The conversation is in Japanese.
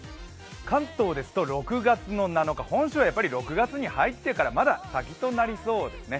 関東ですと６月７日本州はやっぱり６月に入ってから、まだ先となりそうですね。